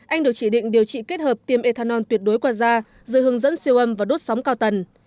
anh được chỉ định điều trị kết hợp tiêm ethanol tuyệt đối qua da rồi hướng dẫn siêu âm và đốt sóng cao tần